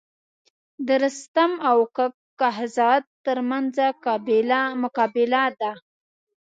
د رستم او کک کهزاد تر منځ مقابله ده.